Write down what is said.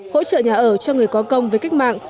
hỗ trợ nhà ở cho người có công với cách mạng